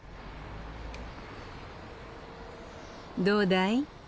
どうだい？